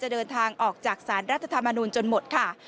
เดินทางออกจากสารรัฐธรรมนูญจนหมดค่ะ